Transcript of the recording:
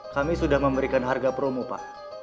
kami sudah memberikan harga promo pak